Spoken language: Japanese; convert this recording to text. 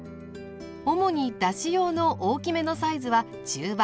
主にだし用の大きめのサイズは「中羽」